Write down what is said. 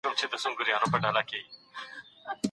څېړنه بېلابېل ډولونه او بڼې لري.